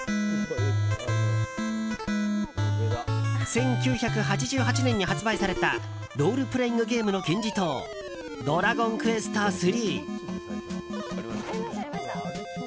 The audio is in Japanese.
１９８８年に発売されたロールプレイングゲームの金字塔「ドラゴンクエスト３」。